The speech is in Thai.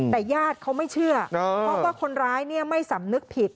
แต่ญาติเขาไม่เชื่อเพราะว่าคนร้ายไม่สำนึกผิด